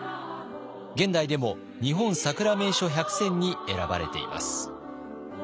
現代でも「日本さくら名所１００選」に選ばれています。